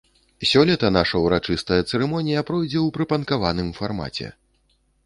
Сёлета наша ўрачыстая цырымонія пройдзе ў прыпанкаваным фармаце!